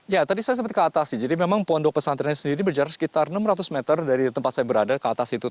ya tadi saya sempat ke atas sih jadi memang pondok pesantren sendiri berjarak sekitar enam ratus meter dari tempat saya berada ke atas itu